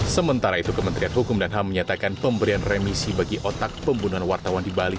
sementara itu kementerian hukum dan ham menyatakan pemberian remisi bagi otak pembunuhan wartawan di bali